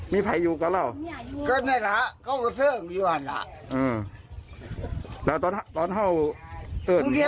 มีใครอยู่กับเหรอ